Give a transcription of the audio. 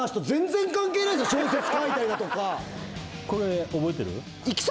これ覚えてる？